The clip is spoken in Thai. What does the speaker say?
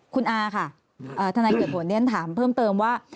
คุณอาค่ะทนายเกิดผลเรียนถามเพิ่มเติมว่า